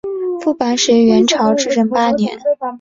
副榜始于元朝至正八年。